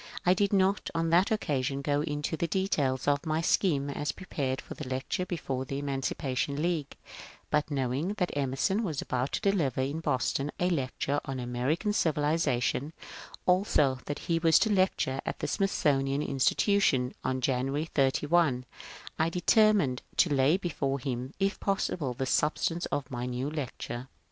I did not on that occasion go into the details of my scheme as prepared for the lecture before the Eman cipation League; but knowing that Emerson was about to deliver in Boston a lecture on ^^ American Civilization," also that he was to lecture at the Smithsonian Institution on January 31, 1 determined to lay before him, if possible, the substance of my new lecture.